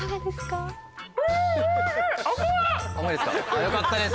よかったです。